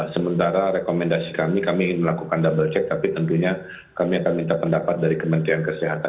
sementara rekomendasi kami kami ingin melakukan double check tapi tentunya kami akan minta pendapat dari kementerian kesehatan